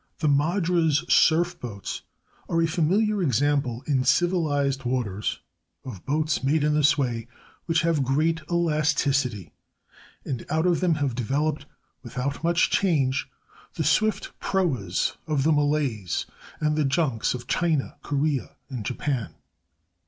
The Madras surf boats are a familiar example in civilized waters of boats made in this way which have great elasticity, and out of them have developed, without much change, the swift proas of the Malays, and the junks of China, Korea, and Japan.